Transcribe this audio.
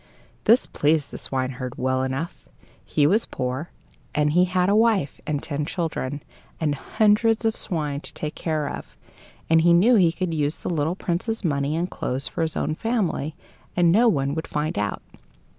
This pleased the swineherd well enough. He was poor, and he had a wife and ten children, and hundreds of swine to take care of, and he knew he could use the little Prince's money and clothes for his own family, and no one would find it out.